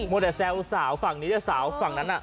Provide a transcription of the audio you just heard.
หมดแต่แซวฝั่งนี้แล้วฝั่งนั้นน่ะ